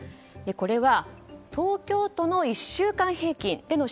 これは、東京都の１週間平均での